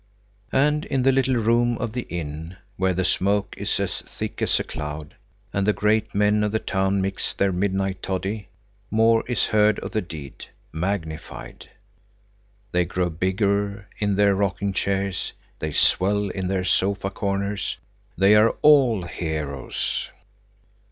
And in the little room of the inn, where the smoke is as thick as a cloud, and the great men of the town mix their midnight toddy, more is heard of the deed, magnified. They grow bigger in their rocking chairs; they swell in their sofa corners; they are all heroes.